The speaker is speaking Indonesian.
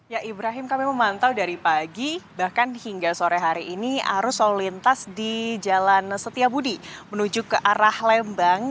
ya ibrahim kami memantau dari pagi bahkan hingga sore hari ini arus lalu lintas di jalan setiabudi menuju ke arah lembang